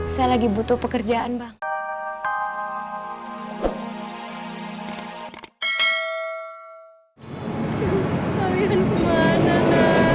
saya lagi butuh pekerjaan bang